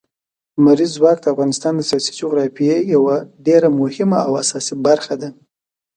لمریز ځواک د افغانستان د سیاسي جغرافیې یوه ډېره مهمه او اساسي برخه ده.